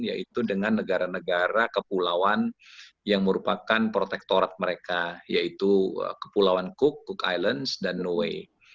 yaitu dengan negara negara kepulauan yang merupakan protektorat mereka yaitu kepulauan cook cook islands dan noway